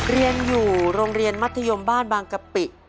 เรียนอยู่โรงเรียนมัธยมบ้านบางกะปิ